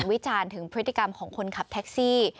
วิจารณ์ถึงพฤติกรรมของคนขับแท็กซี่